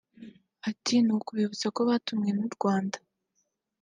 Ati “Ni ukubibutsa ko batumwe n’u Rwanda